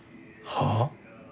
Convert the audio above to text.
はあ？